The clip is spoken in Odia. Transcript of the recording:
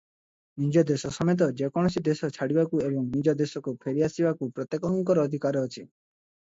ନିଜ ଦେଶ ସମେତ ଯେକୌଣସି ଦେଶ ଛାଡ଼ିବାକୁ ଏବଂ ନିଜ ଦେଶକୁ ଫେରିଆସିବାକୁ ପ୍ରତ୍ୟେକଙ୍କର ଅଧିକାର ଅଛି ।